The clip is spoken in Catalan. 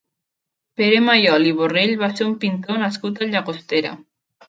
Pere Mayol i Borrell va ser un pintor nascut a Llagostera.